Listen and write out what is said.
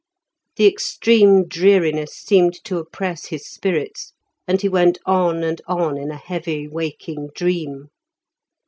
The extreme dreariness seemed to oppress his spirits, and he went on and on in a heavy waking dream.